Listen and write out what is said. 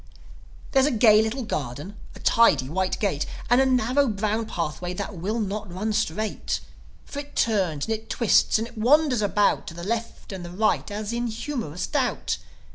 There's a gay little garden, a tidy white gate, And a narrow brown pathway that will not run straight; For it turns and it twists and it wanders about To the left and the right, as in humorous doubt.